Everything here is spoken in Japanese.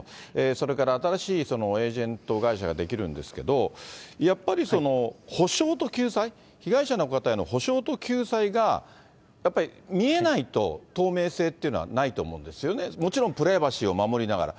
それから、新しいエージェント会社が出来るんですけど、やっぱり補償と救済、被害者の方への補償と救済が、やっぱり見えないと、透明性っていうのはないと思うんですよね、もちろんプライバシーを守りながら。